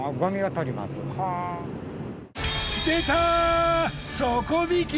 出た！